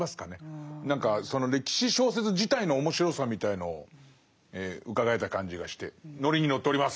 何かその歴史小説自体の面白さみたいのを伺えた感じがしてノリに乗っております。